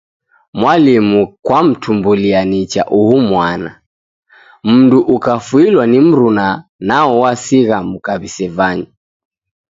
Mwalimu kwamtumbulia nicha uhu mwana. Mundu ukafuilwa ni mruna nao wasigha mka w'isevanye.